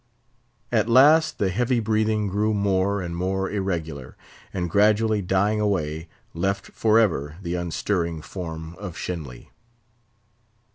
At last the heavy breathing grew more and more irregular, and gradually dying away, left forever the unstirring form of Shenly.